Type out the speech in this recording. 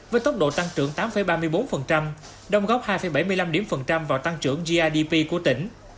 với tốc độ tăng trưởng tám ba mươi bốn đồng góp hai bảy mươi năm vào tăng trưởng grdp của tỉnh